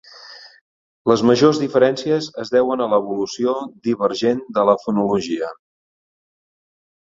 Les majors diferències es deuen a l'evolució divergent de la fonologia.